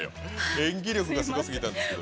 演技力がすごすぎたんですけど。